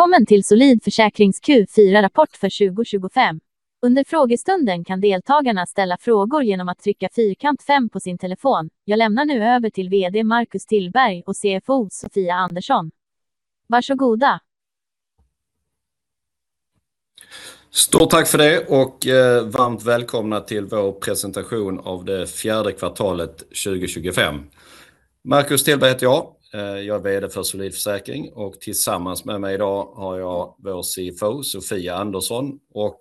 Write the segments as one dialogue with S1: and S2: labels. S1: Välkommen till Solid Försäkrings Q4-rapport för 2025. Under frågestunden kan deltagarna ställa frågor genom att trycka fyrkant 5 på sin telefon. Jag lämnar nu över till VD Marcus Tillberg och CFO Sofia Andersson. Varsågoda.
S2: Stort tack för det och varmt välkomna till vår presentation av det fjärde kvartalet 2025. Marcus Tillberg heter jag, jag är VD för Solid Försäkring, och tillsammans med mig idag har jag vår CFO Sofia Andersson, och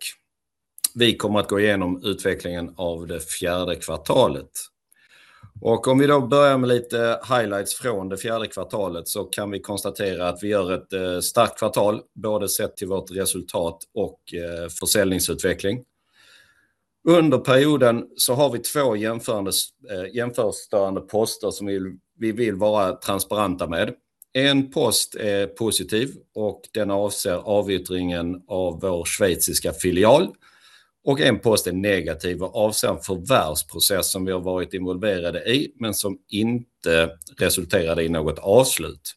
S2: vi kommer att gå igenom utvecklingen av det fjärde kvartalet. Om vi då börjar med lite highlights från det fjärde kvartalet så kan vi konstatera att vi gör ett starkt kvartal, både sett till vårt resultat och försäljningsutveckling. Under perioden så har vi två jämförelsestörande poster som vi vill vara transparenta med. En post är positiv och den avser avyttringen av vår schweiziska filial, och en post är negativ och avser en förvärvsprocess som vi har varit involverade i men som inte resulterade i något avslut.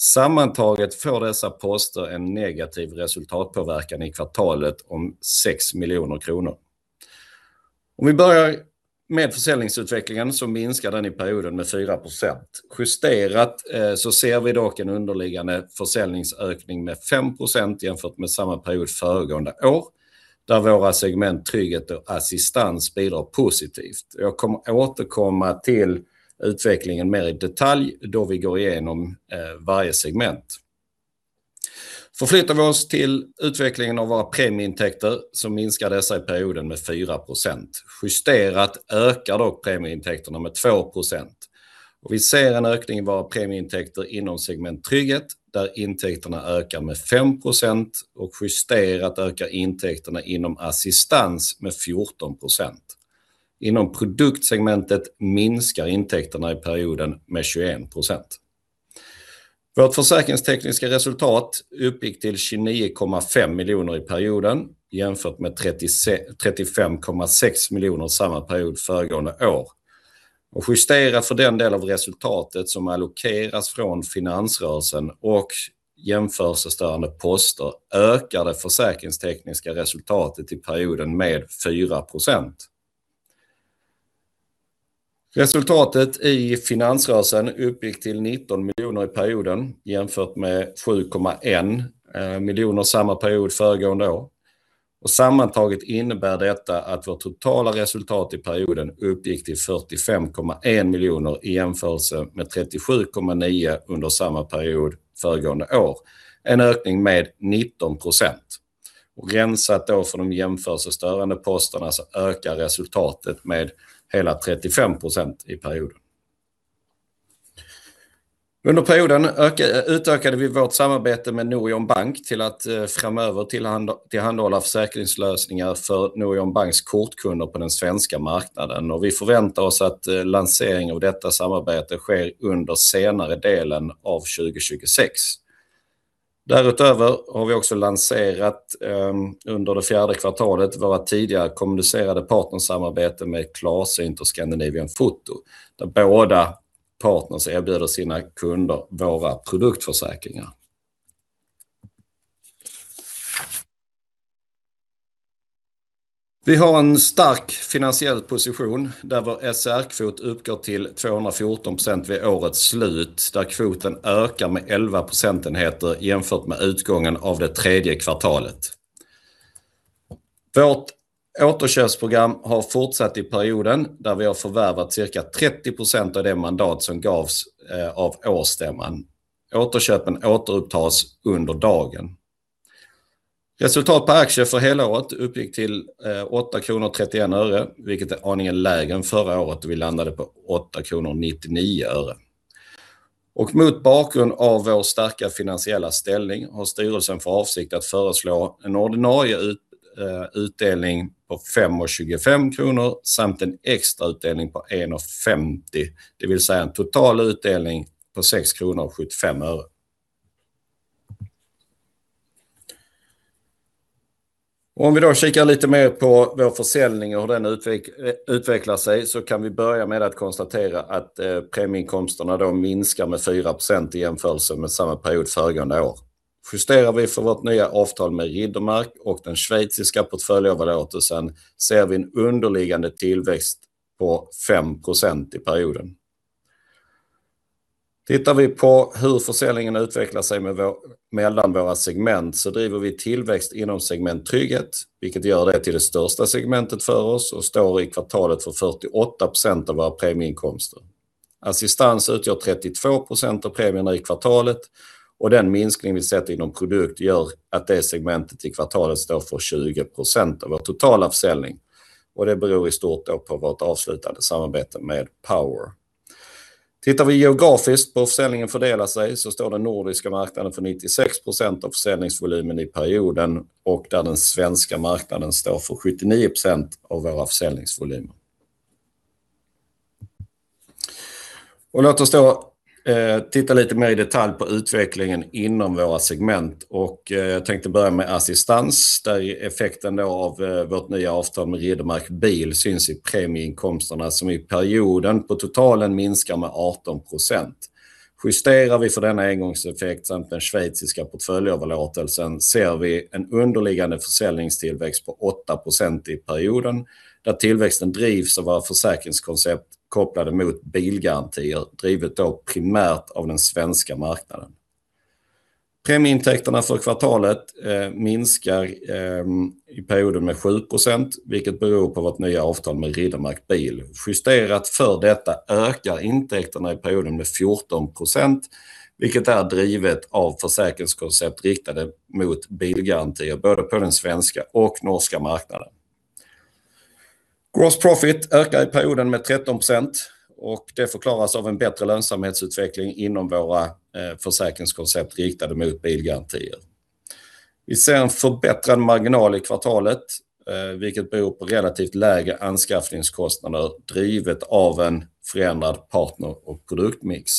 S2: Sammantaget får dessa poster en negativ resultatpåverkan i kvartalet om 6 miljoner kronor. Om vi börjar med försäljningsutvecklingen så minskar den i perioden med 4%. Justerat så ser vi dock en underliggande försäljningsökning med 5% jämfört med samma period föregående år, där våra segment trygghet och assistans bidrar positivt. Jag kommer återkomma till utvecklingen mer i detalj då vi går igenom varje segment. Förflyttar vi oss till utvecklingen av våra premieintäkter så minskar dessa i perioden med 4%. Justerat ökar dock premieintäkterna med 2%. Vi ser en ökning i våra premieintäkter inom segment trygghet, där intäkterna ökar med 5%, och justerat ökar intäkterna inom assistans med 14%. Inom produktsegmentet minskar intäkterna i perioden med 21%. Vårt försäkringstekniska resultat uppgick till 29,5 miljoner i perioden, jämfört med 35,6 miljoner samma period föregående år. Justerat för den del av resultatet som allokeras från finansrörelsen och jämförelsestörande poster ökar det försäkringstekniska resultatet i perioden med 4%. Resultatet i finansrörelsen uppgick till 19 miljoner i perioden, jämfört med 7,1 miljoner samma period föregående år. Sammantaget innebär detta att vårt totala resultat i perioden uppgick till 45,1 miljoner i jämförelse med 37,9 under samma period föregående år. En ökning med 19%. Rensat då för de jämförelsestörande posterna så ökar resultatet med hela 35% i perioden. Under perioden utökade vi vårt samarbete med Norion Bank till att framöver tillhandahålla försäkringslösningar för Norion Banks kortkunder på den svenska marknaden, och vi förväntar oss att lansering av detta samarbete sker under senare delen av 2026. Därutöver har vi också lanserat under det fjärde kvartalet våra tidigare kommunicerade partnersamarbeten med Clas Inter Scandinavian Foto, där båda partners erbjuder sina kunder våra produktförsäkringar. Vi har en stark finansiell position där vår SR-kvot uppgår till 214% vid årets slut, där kvoten ökar med 11 procentenheter jämfört med utgången av det tredje kvartalet. Vårt återköpsprogram har fortsatt i perioden där vi har förvärvat cirka 30% av det mandat som gavs av årsstämman. Återköpen återupptas under dagen. Resultat per aktie för hela året uppgick till 8,31 kronor, vilket är aningen lägre än förra året då vi landade på 8,99 kronor. Mot bakgrund av vår starka finansiella ställning har styrelsen för avsikt att föreslå en ordinarie utdelning på 5,25 kronor samt en extra utdelning på 1,50 kronor, det vill säga en total utdelning på 6,75 kronor. Om vi då kikar lite mer på vår försäljning och hur den utvecklar sig så kan vi börja med att konstatera att premieinkomsterna då minskar med 4% i jämförelse med samma period föregående år. Justerar vi för vårt nya avtal med Riddermark och den schweiziska portföljöverlåtelsen ser vi en underliggande tillväxt på 5% i perioden. Tittar vi på hur försäljningen utvecklar sig mellan våra segment så driver vi tillväxt inom segment trygghet, vilket gör det till det största segmentet för oss och står i kvartalet för 48% av våra premieinkomster. Assistans utgör 32% av premierna i kvartalet, och den minskning vi sett inom produkt gör att det segmentet i kvartalet står för 20% av vår totala försäljning, och det beror i stort då på vårt avslutade samarbete med Power. Tittar vi geografiskt på hur försäljningen fördelar sig så står den nordiska marknaden för 96% av försäljningsvolymen i perioden, och där den svenska marknaden står för 79% av våra försäljningsvolymer. Låt oss då titta lite mer i detalj på utvecklingen inom våra segment, och jag tänkte börja med assistans, där effekten då av vårt nya avtal med Riddermark Bil syns i premieinkomsterna som i perioden på totalen minskar med 18%. Justerar vi för denna engångseffekt samt den schweiziska portföljöverlåtelsen ser vi en underliggande försäljningstillväxt på 8% i perioden, där tillväxten drivs av våra försäkringskoncept kopplade mot bilgarantier, drivet då primärt av den svenska marknaden. Premieintäkterna för kvartalet minskar i perioden med 7%, vilket beror på vårt nya avtal med Riddermark Bil. Justerat för detta ökar intäkterna i perioden med 14%, vilket är drivet av försäkringskoncept riktade mot bilgarantier både på den svenska och norska marknaden. Gross profit ökar i perioden med 13%, och det förklaras av en bättre lönsamhetsutveckling inom våra försäkringskoncept riktade mot bilgarantier. Vi ser en förbättrad marginal i kvartalet, vilket beror på relativt lägre anskaffningskostnader drivet av en förändrad partner- och produktmix.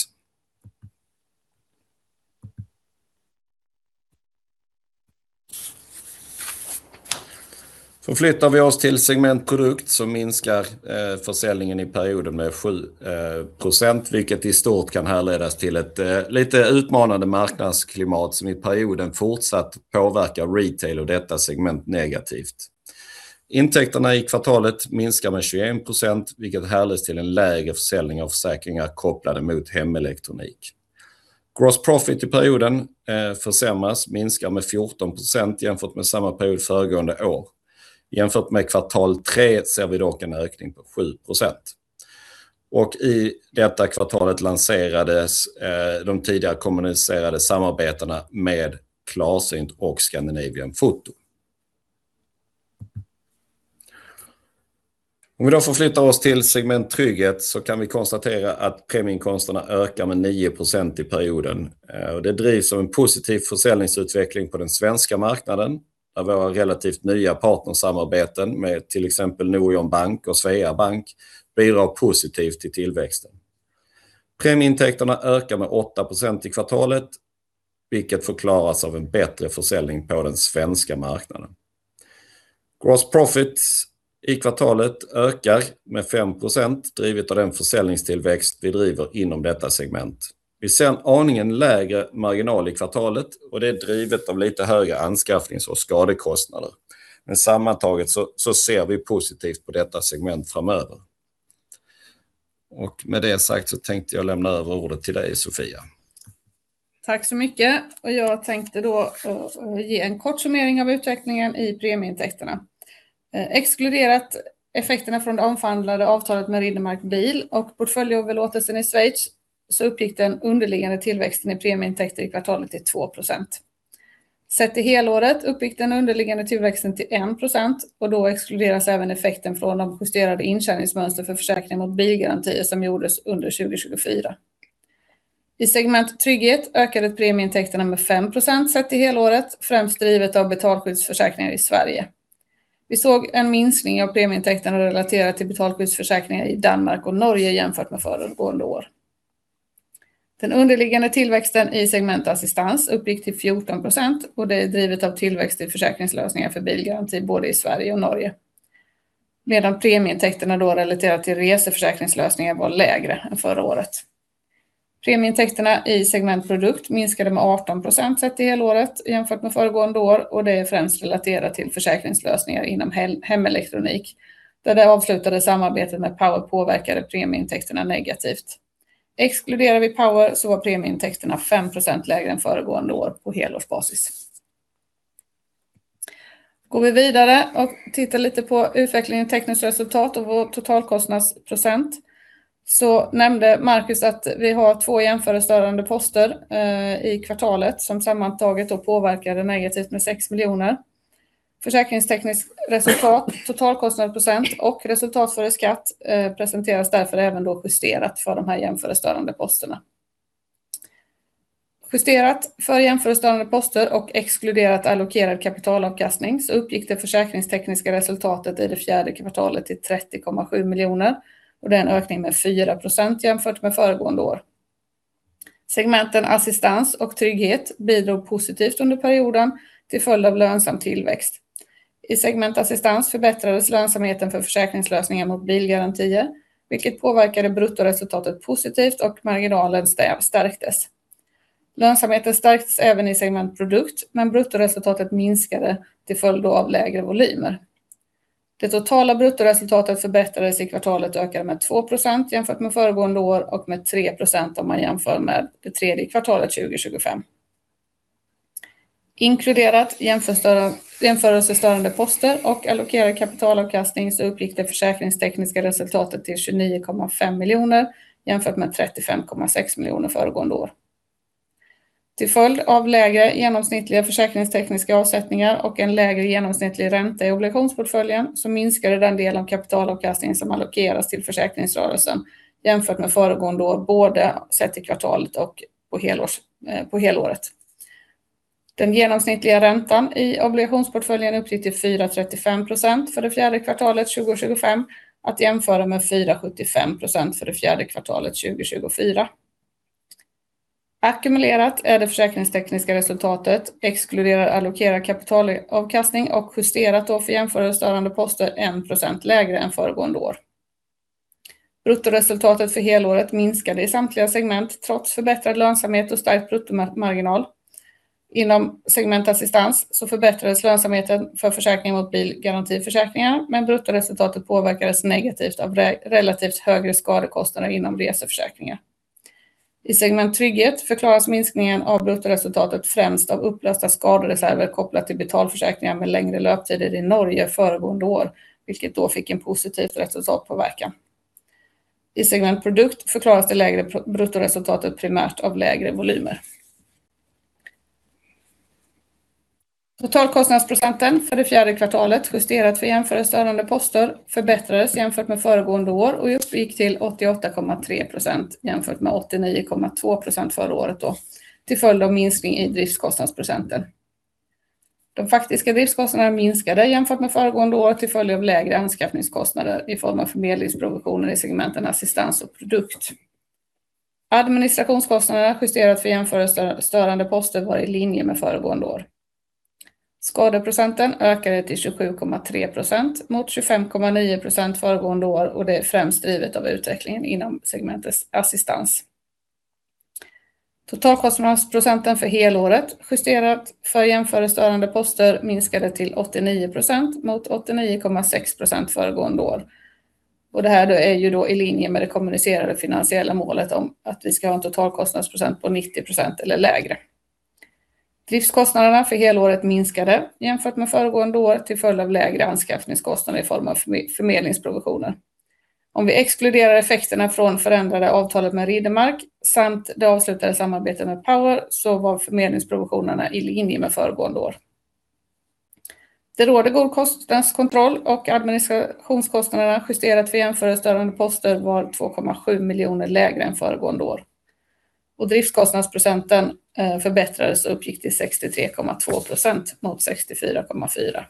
S2: Förflyttar vi oss till segment produkt så minskar försäljningen i perioden med 7%, vilket i stort kan härledas till ett lite utmanande marknadsklimat som i perioden fortsatt påverkar retail och detta segment negativt. Intäkterna i kvartalet minskar med 21%, vilket härleds till en lägre försäljning av försäkringar kopplade mot hemelektronik. Gross profit i perioden försämras, minskar med 14% jämfört med samma period föregående år. Jämfört med kvartal 3 ser vi dock en ökning på 7%. I detta kvartalet lanserades de tidigare kommunicerade samarbetena med Clas Ohlson och Scandinavian Foto. Om vi då förflyttar oss till segment trygghet så kan vi konstatera att premieinkomsterna ökar med 9% i perioden. Det drivs av en positiv försäljningsutveckling på den svenska marknaden, där våra relativt nya partnersamarbeten med till exempel Norion Bank och Sveabank bidrar positivt till tillväxten. Premieintäkterna ökar med 8% i kvartalet, vilket förklaras av en bättre försäljning på den svenska marknaden. Gross profit i kvartalet ökar med 5%, drivet av den försäljningstillväxt vi driver inom detta segment. Vi ser en aningen lägre marginal i kvartalet, och det är drivet av lite högre anskaffnings- och skadekostnader. Men sammantaget så ser vi positivt på detta segment framöver. Med det sagt så tänkte jag lämna över ordet till dig, Sofia.
S3: Tack så mycket. Jag tänkte då ge en kort summering av utvecklingen i premieintäkterna. Exkluderat effekterna från det omvandlade avtalet med Riddermark Bil och portföljöverlåtelsen i Schweiz så uppgick den underliggande tillväxten i premieintäkter i kvartalet till 2%. Sett i helåret uppgick den underliggande tillväxten till 1%, och då exkluderas även effekten från de justerade intjäningsmönster för försäkringar mot bilgarantier som gjordes under 2024. I segment trygghet ökade premieintäkterna med 5% sett i helåret, främst drivet av betalskyddsförsäkringar i Sverige. Vi såg en minskning av premieintäkterna relaterat till betalskyddsförsäkringar i Danmark och Norge jämfört med föregående år. Den underliggande tillväxten i segment assistans uppgick till 14%, och det är drivet av tillväxt i försäkringslösningar för bilgarantier både i Sverige och Norge. Medan premieintäkterna då relaterat till reseförsäkringslösningar var lägre än förra året. Premieintäkterna i segment produkt minskade med 18% sett i helåret jämfört med föregående år, och det är främst relaterat till försäkringslösningar inom hemelektronik, där det avslutade samarbetet med Power påverkade premieintäkterna negativt. Exkluderar vi Power så var premieintäkterna 5% lägre än föregående år på helårsbasis. Går vi vidare och tittar lite på utvecklingen i tekniskt resultat och vår totalkostnadsprocent så nämnde Marcus att vi har två jämförelsestörande poster i kvartalet som sammantaget då påverkade negativt med 6 miljoner. Försäkringstekniskt resultat, totalkostnadsprocent och resultat före skatt presenteras därför även då justerat för de här jämförelsestörande posterna. Justerat för jämförelsestörande poster och exkluderat allokerad kapitalavkastning så uppgick det försäkringstekniska resultatet i det fjärde kvartalet till 30,7 miljoner, och det är en ökning med 4% jämfört med föregående år. Segmenten assistans och trygghet bidrog positivt under perioden till följd av lönsam tillväxt. I segment assistans förbättrades lönsamheten för försäkringslösningar mot bilgarantier, vilket påverkade bruttoresultatet positivt och marginalen stärktes. Lönsamheten stärktes även i segment produkt, men bruttoresultatet minskade till följd av lägre volymer. Det totala bruttoresultatet förbättrades i kvartalet och ökade med 2% jämfört med föregående år och med 3% om man jämför med det tredje kvartalet 2025. Inkluderat jämförelsestörande poster och allokerad kapitalavkastning så uppgick det försäkringstekniska resultatet till 29,5 miljoner jämfört med 35,6 miljoner föregående år. Till följd av lägre genomsnittliga försäkringstekniska avsättningar och en lägre genomsnittlig ränta i obligationsportföljen så minskade den del av kapitalavkastningen som allokeras till försäkringsrörelsen jämfört med föregående år både sett i kvartalet och på helåret. Den genomsnittliga räntan i obligationsportföljen uppgick till 4,35% för det fjärde kvartalet 2025 att jämföra med 4,75% för det fjärde kvartalet 2024. Ackumulerat är det försäkringstekniska resultatet exkluderat allokerad kapitalavkastning och justerat då för jämförelsestörande poster 1% lägre än föregående år. Bruttoresultatet för helåret minskade i samtliga segment trots förbättrad lönsamhet och stark bruttomarginal. Inom segment assistans så förbättrades lönsamheten för försäkringar mot bilgarantiförsäkringar, men bruttoresultatet påverkades negativt av relativt högre skadekostnader inom reseförsäkringar. I segment trygghet förklaras minskningen av bruttoresultatet främst av upplösta skadereserver kopplat till betalförsäkringar med längre löptider i Norge föregående år, vilket då fick en positivt resultatpåverkan. I segment produkt förklaras det lägre bruttoresultatet primärt av lägre volymer. Totalkostnadsprocenten för det fjärde kvartalet justerat för jämförelsestörande poster förbättrades jämfört med föregående år och uppgick till 88,3% jämfört med 89,2% förra året då till följd av minskning i driftskostnadsprocenten. De faktiska driftskostnaderna minskade jämfört med föregående år till följd av lägre anskaffningskostnader i form av förmedlingsprovisioner i segmenten assistans och produkt. Administrationskostnaderna justerat för jämförelsestörande poster var i linje med föregående år. Skadeprocenten ökade till 27,3% mot 25,9% föregående år, och det är främst drivet av utvecklingen inom segmentet assistans. Totalkostnadsprocenten för helåret justerat för jämförelsestörande poster minskade till 89% mot 89,6% föregående år. Det här är ju då i linje med det kommunicerade finansiella målet om att vi ska ha en totalkostnadsprocent på 90% eller lägre. Driftskostnaderna för helåret minskade jämfört med föregående år till följd av lägre anskaffningskostnader i form av förmedlingsprovisioner. Om vi exkluderar effekterna från förändrade avtalet med Riddermark samt det avslutade samarbetet med Power så var förmedlingsprovisionerna i linje med föregående år. Det råder god kostnadskontroll, och administrationskostnaderna justerat för jämförelsestörande poster var 2,7 miljoner lägre än föregående år. Driftskostnadsprocenten förbättrades och uppgick till 63,2% mot 64,4%.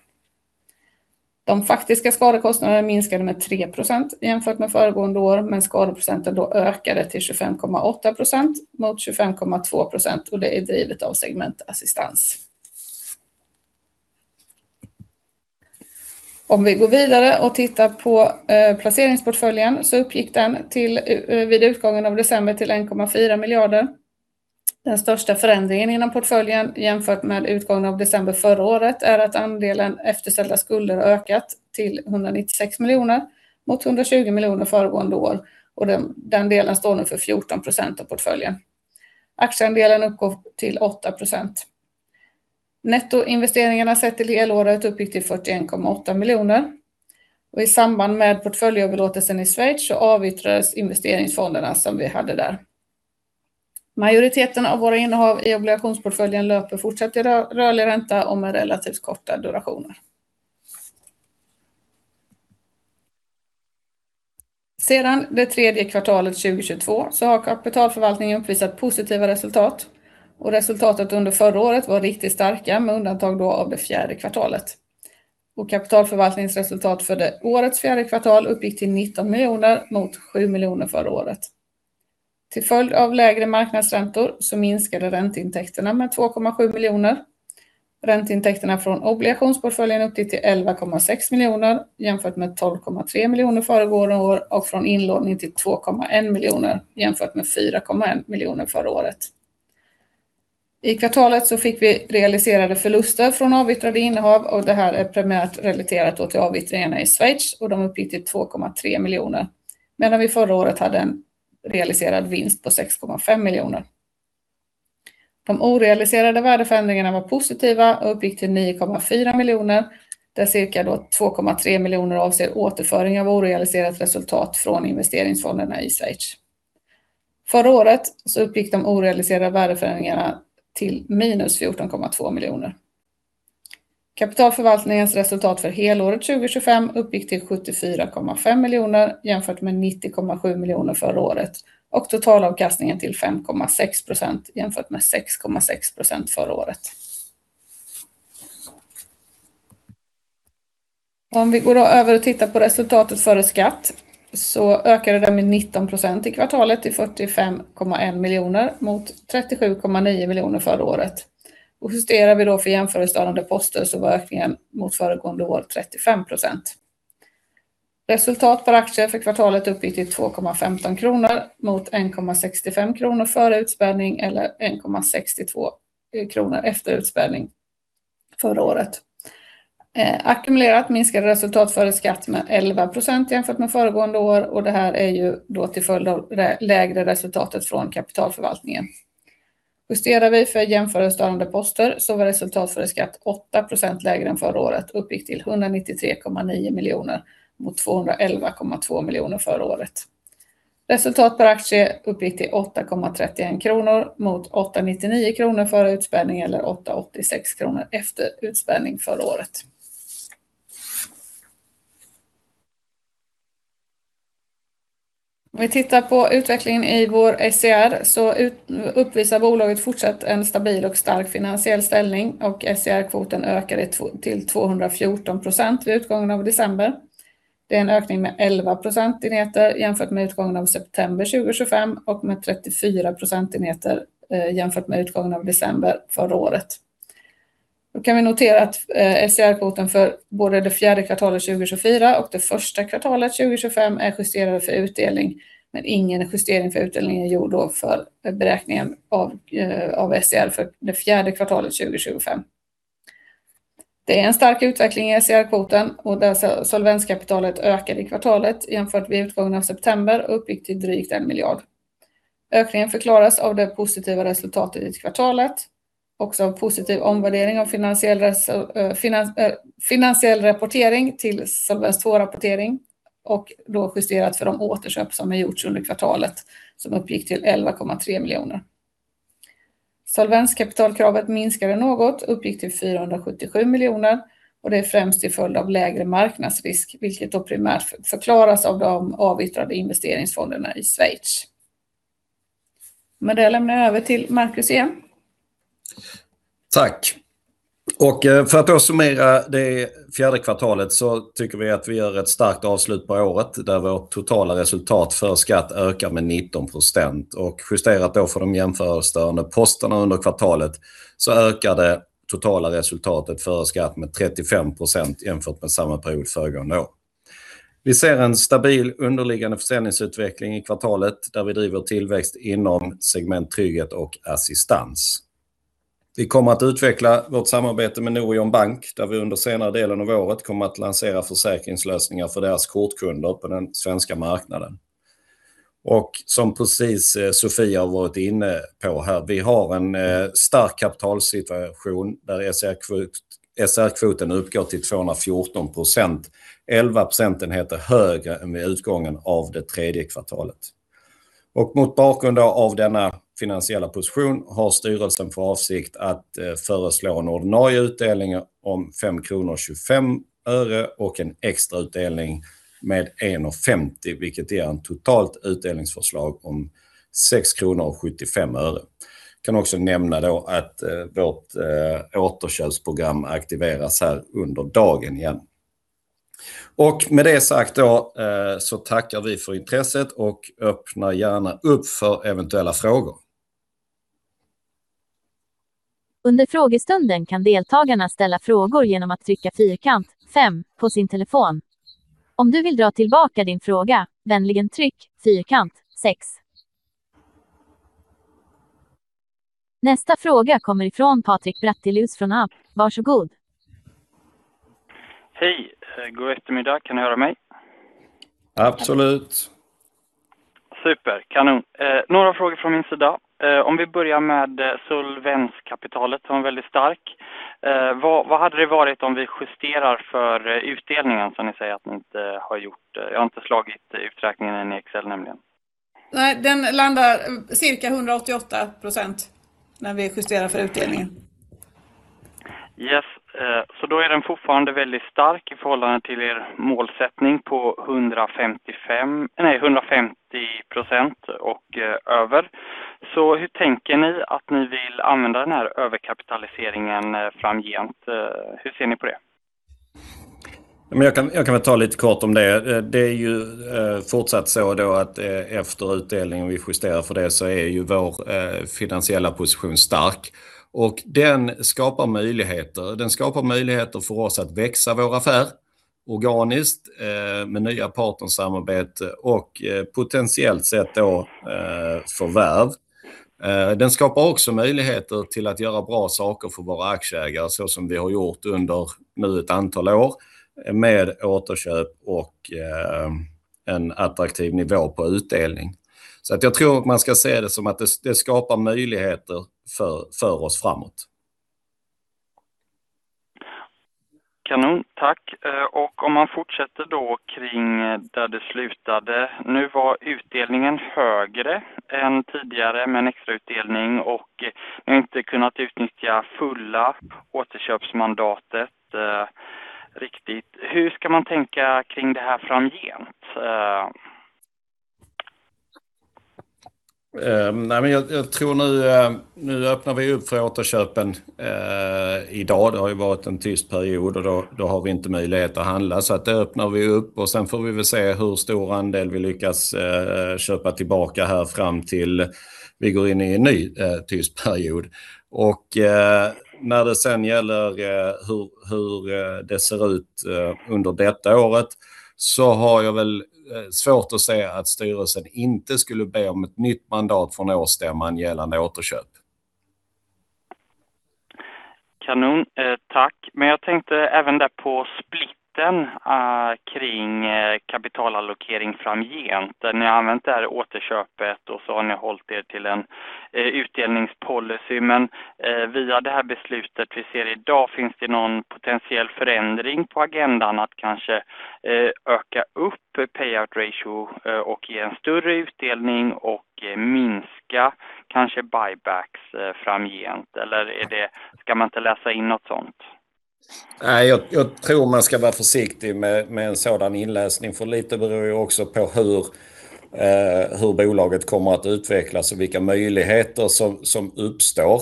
S3: De faktiska skadekostnaderna minskade med 3% jämfört med föregående år, men skadeprocenten ökade till 25,8% mot 25,2%, och det är drivet av segment assistans. Om vi går vidare och tittar på placeringsportföljen så uppgick den vid utgången av december till 1,4 miljarder. Den största förändringen inom portföljen jämfört med utgången av december förra året är att andelen efterställda skulder har ökat till 196 miljoner mot 120 miljoner föregående år, och den delen står nu för 14% av portföljen. Aktieandelen uppgår till 8%. Nettoinvesteringarna sett till helåret uppgick till 41,8 miljoner. I samband med portföljöverlåtelsen i Schweiz så avyttrades investeringsfonderna som vi hade där. Majoriteten av våra innehav i obligationsportföljen löper fortsatt i rörlig ränta och med relativt korta durationer. Sedan det tredje kvartalet 2022 så har kapitalförvaltningen uppvisat positiva resultat, och resultatet under förra året var riktigt starkt med undantag av det fjärde kvartalet. Kapitalförvaltningsresultatet för årets fjärde kvartal uppgick till 19 miljoner mot 7 miljoner förra året. Till följd av lägre marknadsräntor så minskade ränteintäkterna med 2,7 miljoner. Ränteintäkterna från obligationsportföljen uppgick till 11,6 miljoner jämfört med 12,3 miljoner föregående år och från inlåning till 2,1 miljoner jämfört med 4,1 miljoner förra året. I kvartalet så fick vi realiserade förluster från avyttrade innehav, och det här är primärt relaterat till avyttringarna i Schweiz, och de uppgick till 2,3 miljoner medan vi förra året hade en realiserad vinst på 6,5 miljoner. De orealiserade värdeförändringarna var positiva och uppgick till 9,4 miljoner, där cirka 2,3 miljoner avser återföring av orealiserat resultat från investeringsfonderna i Schweiz. Förra året så uppgick de orealiserade värdeförändringarna till minus 14,2 miljoner. Kapitalförvaltningens resultat för helåret 2025 uppgick till 74,5 miljoner jämfört med 90,7 miljoner förra året, och totalavkastningen till 5,6% jämfört med 6,6% förra året. Om vi går över och tittar på resultatet före skatt så ökade det med 19% i kvartalet till 45,1 miljoner mot 37,9 miljoner förra året. Justerar vi för jämförelsestörande poster så var ökningen mot föregående år 35%. Resultat per aktie för kvartalet uppgick till 2,15 kronor mot 1,65 kronor före utspädning eller 1,62 kronor efter utspädning förra året. Ackumulerat minskade resultat före skatt med 11% jämfört med föregående år, och det här är till följd av det lägre resultatet från kapitalförvaltningen. Justerar vi för jämförelsestörande poster så var resultat före skatt 8% lägre än förra året, uppgick till 193,9 miljoner mot 211,2 miljoner förra året. Resultat per aktie uppgick till 8,31 kronor mot 8,99 kronor före utspädning eller 8,86 kronor efter utspädning förra året. Om vi tittar på utvecklingen i vår SCR så uppvisar bolaget fortsatt en stabil och stark finansiell ställning, och SCR-kvoten ökade till 214% vid utgången av december. Det är en ökning med 11 procentenheter jämfört med utgången av september 2025 och med 34 procentenheter jämfört med utgången av december förra året. Då kan vi notera att SCR-kvoten för både det fjärde kvartalet 2024 och det första kvartalet 2025 är justerade för utdelning, men ingen justering för utdelning är gjord då för beräkningen av SCR för det fjärde kvartalet 2025. Det är en stark utveckling i SCR-kvoten, och där solvenskapitalet ökade i kvartalet jämfört vid utgången av september och uppgick till drygt en miljard. Ökningen förklaras av det positiva resultatet i kvartalet, också av positiv omvärdering av finansiell rapportering till Solvens 2-rapportering och då justerat för de återköp som har gjorts under kvartalet som uppgick till 11,3 miljoner. Solvenskapitalkravet minskade något, uppgick till 477 miljoner, och det är främst till följd av lägre marknadsrisk, vilket då primärt förklaras av de avyttrade investeringsfonderna i Schweiz. Med det lämnar jag över till Marcus igen. Tack. För att då summera det fjärde kvartalet så tycker vi att vi gör ett starkt avslut på året där vårt totala resultat före skatt ökar med 19%. Justerat då för de jämförelsestörande posterna under kvartalet så ökade det totala resultatet före skatt med 35% jämfört med samma period föregående år. Vi ser en stabil underliggande försäljningsutveckling i kvartalet där vi driver tillväxt inom segment trygghet och assistans. Vi kommer att utveckla vårt samarbete med Norion Bank där vi under senare delen av året kommer att lansera försäkringslösningar för deras kortkunder på den svenska marknaden. Som precis Sofia har varit inne på här, vi har en stark kapitalsituation där SCR-kvoten uppgår till 214%, 11 procentenheter högre än vid utgången av det tredje kvartalet. Mot bakgrund av denna finansiella position har styrelsen för avsikt att föreslå en ordinarie utdelning om 5 kronor 25 öre och en extra utdelning med 1,50, vilket ger ett totalt utdelningsförslag om 6 kronor 75 öre. Jag kan också nämna att vårt återköpsprogram aktiveras här under dagen igen. Med det sagt tackar vi för intresset och öppnar gärna upp för eventuella frågor. Under frågestunden kan deltagarna ställa frågor genom att trycka fyrkant 5 på sin telefon. Om du vill dra tillbaka din fråga, vänligen tryck fyrkant 6. Nästa fråga kommer ifrån Patrik Brattelius från ABB. Varsågod. Hej, god eftermiddag. Kan ni höra mig? Absolut. Super, kanon. Några frågor från min sida. Om vi börjar med solvenskapitalet som är väldigt starkt. Vad hade det varit om vi justerar för utdelningen som ni säger att ni inte har gjort? Jag har inte slagit uträkningen i Excel nämligen. Nej, den landar cirka 188% när vi justerar för utdelningen. Yes, så då är den fortfarande väldigt stark i förhållande till målsättningen på 155% och över. Så hur tänker ni att ni vill använda den här överkapitaliseringen framgent? Hur ser ni på det? Jag kan väl ta lite kort om det. Det är ju fortsatt så att efter utdelningen vi justerar för det så är ju vår finansiella position stark. Och den skapar möjligheter. Den skapar möjligheter för oss att växa vår affär organiskt med nya partnersamarbeten och potentiellt sett då förvärv. Den skapar också möjligheter till att göra bra saker för våra aktieägare så som vi har gjort under nu ett antal år med återköp och en attraktiv nivå på utdelning. Så jag tror att man ska se det som att det skapar möjligheter för oss framåt. Kanon, tack. Om man fortsätter då kring där det slutade. Nu var utdelningen högre än tidigare med en extra utdelning och ni har inte kunnat utnyttja fulla återköpsmandatet riktigt. Hur ska man tänka kring det här framgent? Jag tror nu öppnar vi upp för återköpen idag. Det har ju varit en tyst period och då har vi inte möjlighet att handla. Så det öppnar vi upp och sen får vi väl se hur stor andel vi lyckas köpa tillbaka här fram till vi går in i en ny tyst period. När det sen gäller hur det ser ut under detta året så har jag väl svårt att se att styrelsen inte skulle be om ett nytt mandat från årsstämman gällande återköp. Kanon, tack. Men jag tänkte även där på splitten kring kapitalallokering framgent. Ni har använt det här återköpet och så har ni hållit till en utdelningspolicy. Men via det här beslutet vi ser idag finns det någon potentiell förändring på agendan att kanske öka upp payout ratio och ge en större utdelning och minska kanske buybacks framgent? Eller är det ska man inte läsa in något sådant? Nej, jag tror man ska vara försiktig med en sådan inläsning. För lite beror ju också på hur bolaget kommer att utvecklas och vilka möjligheter som uppstår.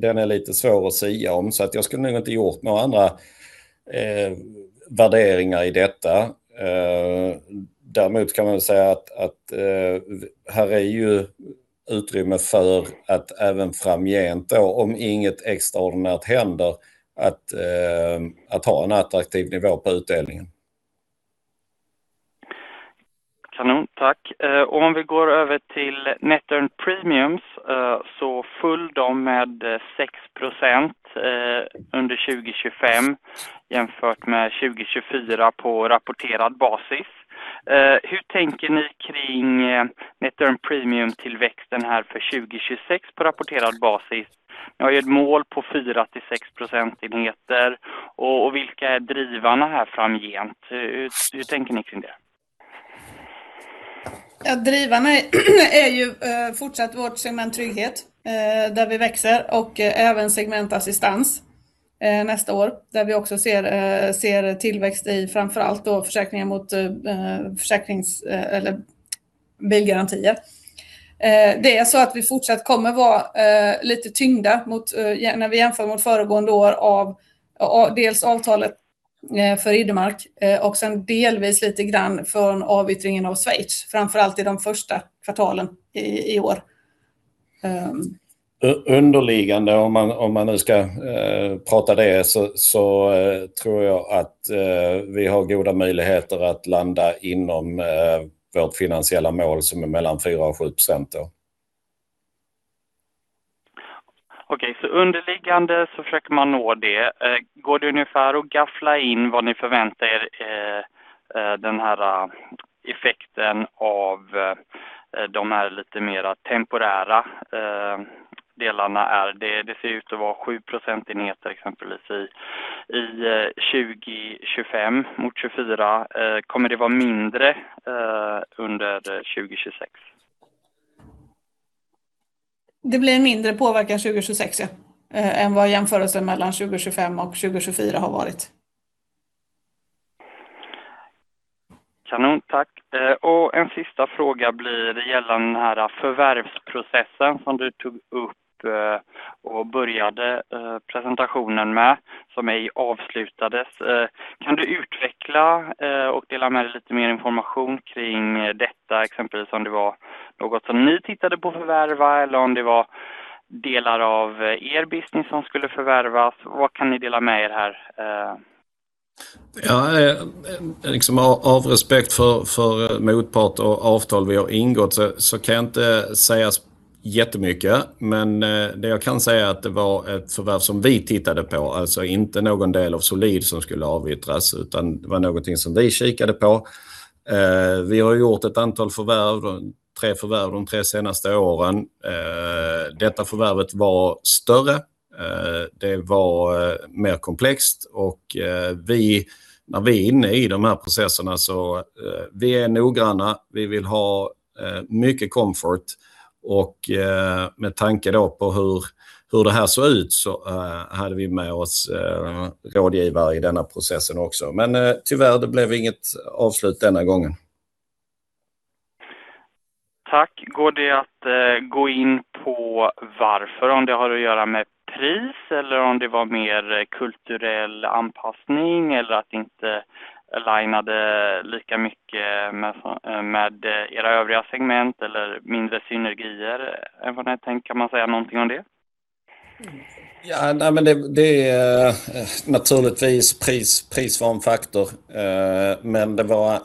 S3: Det är lite svårt att sia om. Så jag skulle nog inte gjort några andra värderingar i detta. Däremot kan man väl säga att här är ju utrymme för att även framgent, om intet extraordinärt händer, att ha en attraktiv nivå på utdelningen. Kanon, tack. Om vi går över till Net Earned Premiums så föll de med 6% under 2025 jämfört med 2024 på rapporterad basis. Hur tänker ni kring Net Earned Premium-tillväxten här för 2026 på rapporterad basis? Ni har ju ett mål på 4 till 6 procentenheter och vilka är drivarna här framgent? Hur tänker ni kring det? Ja, drivarna är ju fortsatt vårt segment trygghet där vi växer och även segment assistans nästa år där vi också ser tillväxt i framför allt då försäkringar mot försäkrings eller bilgarantier. Det är så att vi fortsatt kommer vara lite tyngda mot när vi jämför mot föregående år av dels avtalet för Idemark och sen delvis lite grann från avyttringen av Schweiz, framför allt i de första kvartalen i år. Underliggande, om man ska prata det så tror jag att vi har goda möjligheter att landa inom vårt finansiella mål som är mellan 4% och 7% då. Okej, så underliggande så försöker man nå det. Går det ungefär att gaffla in vad ni förväntar den här effekten av de här lite mera temporära delarna är? Det ser ju ut att vara 7 procentenheter exempelvis i 2025 mot 2024. Kommer det vara mindre under 2026? Det blir en mindre påverkan 2026 ja än vad jämförelsen mellan 2025 och 2024 har varit. Kanon, tack. En sista fråga blir gällande den här förvärvsprocessen som du tog upp och började presentationen med som ej avslutades. Kan du utveckla och dela med dig lite mer information kring detta, exempelvis om det var något som ni tittade på att förvärva eller om det var delar av business som skulle förvärvas? Vad kan ni dela med här? Ja, liksom av respekt för motpart och avtal vi har ingått så kan jag inte säga jättemycket. Men det jag kan säga är att det var ett förvärv som vi tittade på, alltså inte någon del av Solid som skulle avyttras utan det var någonting som vi kikade på. Vi har ju gjort ett antal förvärv, tre förvärv de tre senaste åren. Detta förvärvet var större. Det var mer komplext och vi, när vi är inne i de här processerna så vi är noggranna. Vi vill ha mycket comfort och med tanke då på hur det här såg ut så hade vi med oss rådgivare i denna processen också. Men tyvärr då blev det inget avslut denna gången. Tack. Går det att gå in på varför? Om det har att göra med pris eller om det var mer kulturell anpassning eller att det inte linade lika mycket med era övriga segment eller mindre synergier än vad ni tänker? Kan man säga någonting om det? Ja, nej men det är naturligtvis pris var en faktor. Men det var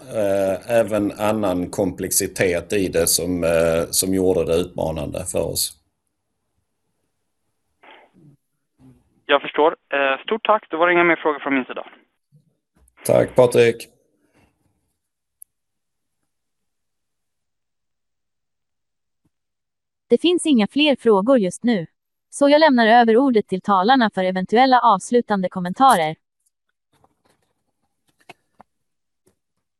S3: även annan komplexitet i det som gjorde det utmanande för oss. Jag förstår. Stort tack. Det var inga mer frågor från min sida. Tack Patrik. Det finns inga fler frågor just nu, så jag lämnar över ordet till talarna för eventuella avslutande kommentarer.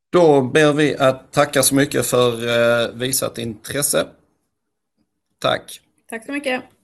S3: Då ber vi att tacka så mycket för visat intresse. Tack. Tack så mycket.